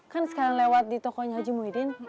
kan sekarang lewat di tokonya aja mau idin